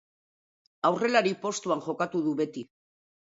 Aurrelari postuan jokatu du beti.